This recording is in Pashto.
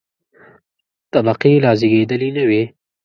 طبقې لا زېږېدلې نه وې.